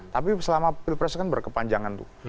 tapi selama pilpres kan berkepanjangan tuh